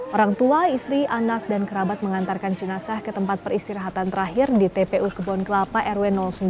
orang tua istri anak dan kerabat mengantarkan jenazah ke tempat peristirahatan terakhir di tpu kebun kelapa rw sembilan